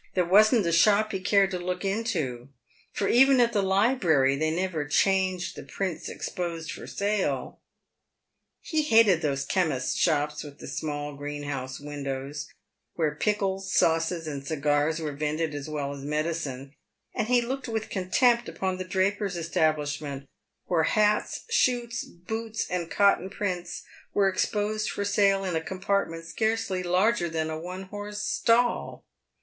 There wasn't a shop he cared to look into, for even at the library they never changed the prints exposed for sale. He hated those chemists' shops with the small greenhouse windows, where pickles, sauces, and cigars were vended as well as medicine ; and he looked with contempt upon the draper's establishment, where hats, shirts, boots, and cotton prints were exposed for sale in a com partment scarcely larger than a one horse stall.